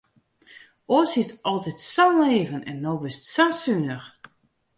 Oars hiest altyd sa'n leven en no bist sa sunich.